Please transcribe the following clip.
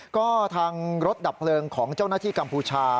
ก็ทางรถดับเพลิงของเจ้าหน้าที่กัมพูชา